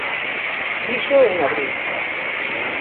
Fíxoo en abril.